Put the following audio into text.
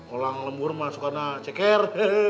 olang lembur mah suka ceker